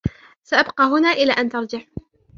سأبقىَ هنا إلى أن ترجع.